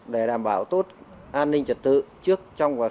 để đảm bảo tốt an ninh trật tự trước trong và sau